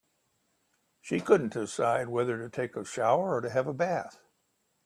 She couldn't decide whether to take a shower or to have a bath.